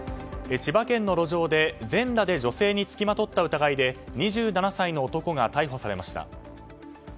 千葉県の路上で全裸で女性に付きまとった疑いで２７歳の男が逮捕されました。